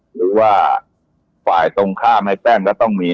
หรือว่าฝ่ายตรงข้ามในแต้มก็ต้องมี